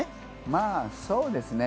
まぁそうですね。